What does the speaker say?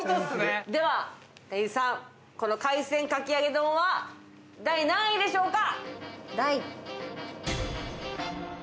では店員さん、この海鮮かき揚げ丼は第何位でしょうか？